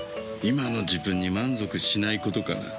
今の自分に満足しないことかな。